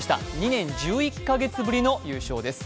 ２年１１か月ぶりの優勝です。